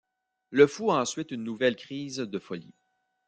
Le fou a ensuite une nouvelle crise de folie.